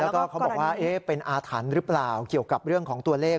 แล้วก็เขาบอกว่าเป็นอาถรรพ์หรือเปล่าเกี่ยวกับเรื่องของตัวเลข